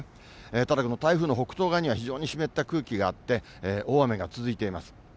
ただ、この台風の北東側には非常に湿った空気があって、大雨が続いています。